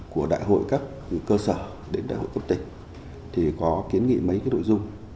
của đại hội các cơ sở đến đại hội quốc tịch thì có kiến nghị mấy cái nội dung